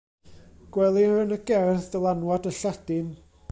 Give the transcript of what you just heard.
Gwelir yn y gerdd dylanwad y Lladin.